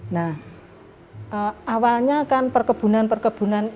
nah awalnya kan perkebunan perkebunan